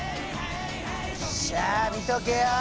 しゃっ見とけよ！